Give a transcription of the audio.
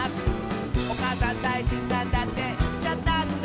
「『おかあさんだいじんなんだ』っていっちゃったんだ」